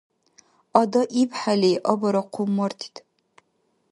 Ада ибхӀели абара хъуммартид.